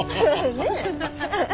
ねえ？